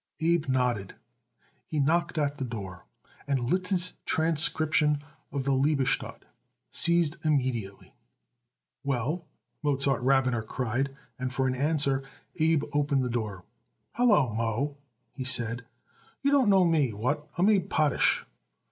Abe nodded. He knocked at the door, and Liszt's transcription of the Liebestod ceased immediately. "Well?" Mozart Rabiner cried and, for answer, Abe opened the door. "Hallo, Moe!" he said. "You don't know me. What? I'm Abe Potash."